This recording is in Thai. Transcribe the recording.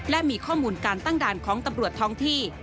และมีข้อมูลการตั้งด่านของตำรวจท้องที่